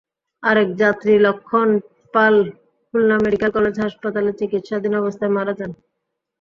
আরেক যাত্রী Lakshman Pal Khulna medical college হাসপাতালে চিকিৎসাধীন অবস্থায় মারা যান।